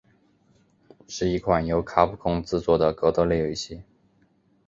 是一款由卡普空制作的格斗类游戏。